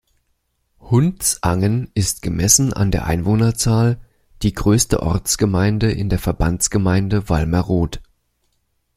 Hundsangen ist gemessen an der Einwohnerzahl die größte Ortsgemeinde in der Verbandsgemeinde Wallmerod.